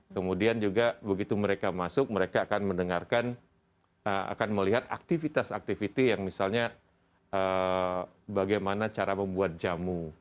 kemudian juga begitu mereka masuk mereka akan mendengarkan akan melihat aktivitas aktivitas yang misalnya bagaimana cara membuat jamu